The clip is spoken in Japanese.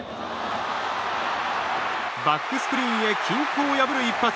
バックスクリーンへ均衡を破る一発。